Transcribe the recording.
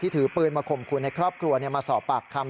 ถือปืนมาข่มขู่ในครอบครัวมาสอบปากคำ